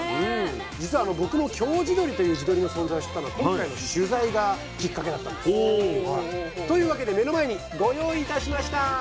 実は僕も京地どりという地鶏の存在を知ったのは今回の取材がきっかけだったんです。というわけで目の前にご用意いたしました。